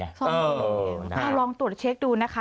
เออน่าค่ะลองตรวจเช็คดูนะคะ